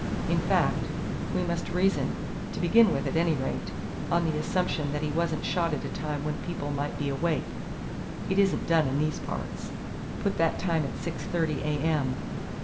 In fact, we must reason to begin with, at any rate on the assumption that he wasn't shot at a time when people might be awake it isn't done in these parts. Put that time at six thirty A. M.